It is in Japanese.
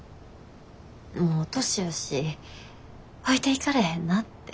もう年やし置いていかれへんなって。